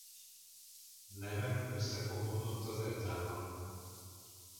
Neve összefonódott az Eddával.